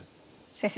先生